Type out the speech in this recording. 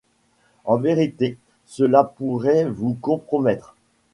En vérité, cela pourrait vous compromettre !